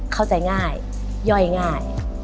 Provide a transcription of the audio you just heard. เข้าใจง่ายย่อยง่าย